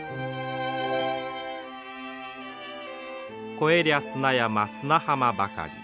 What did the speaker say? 「越えりゃ砂山砂浜ばかり。